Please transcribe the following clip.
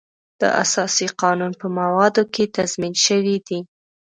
د اساسي قانون په موادو کې تضمین شوی دی.